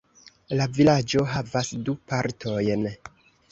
La vilaĝo havas du partojn.